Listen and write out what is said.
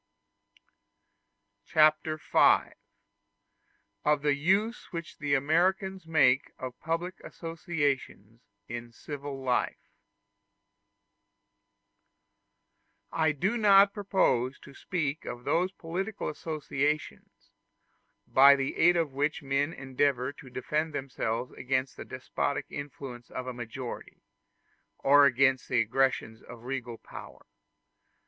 Chapter V: Of The Use Which The Americans Make Of Public Associations In Civil Life I do not propose to speak of those political associations by the aid of which men endeavor to defend themselves against the despotic influence of a majority or against the aggressions of regal power.